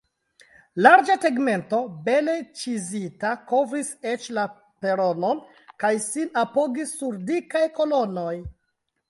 Larĝa tegmento, bele ĉizita, kovris eĉ la peronon kaj sin apogis sur dikaj kolonoj.